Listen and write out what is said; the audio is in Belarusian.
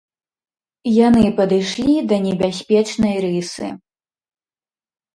Яны падышлі да небяспечнай рысы.